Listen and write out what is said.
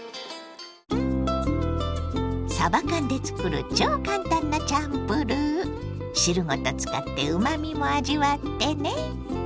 さば缶で作る超簡単なチャンプルー。汁ごと使ってうまみも味わってね。